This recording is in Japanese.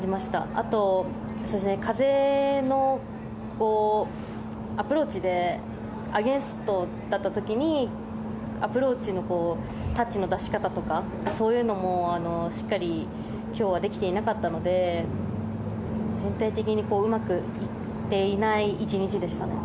あと風の、アプローチでアゲンストだった時にアプローチのタッチの出し方とかそういうのもしっかり今日はできていなかったので全体的にうまくいっていない１日でしたね。